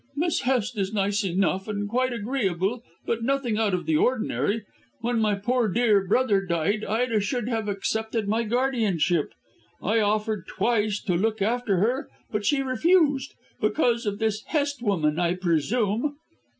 "Miss Hest is nice enough and quite agreeable, but nothing out of the ordinary. When my poor, dear brother died Ida should have accepted my guardianship. I offered twice to look after her, but she refused because of this Hest woman, I presume."